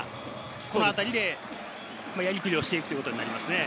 このあたりでやりくりしていくということになりますね。